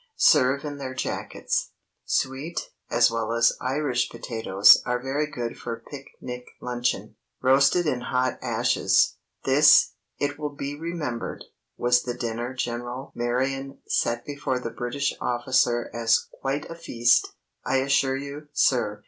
Serve in their jackets. Sweet, as well as Irish potatoes, are very good for pic nic luncheon, roasted in hot ashes. This, it will be remembered, was the dinner General Marion set before the British officer as "quite a feast, I assure you, sir.